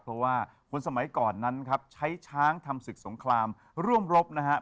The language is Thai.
เพราะว่าคนสมัยก่อนนั้นครับใช้ช้างทำศึกสงครามร่วมรบนะครับ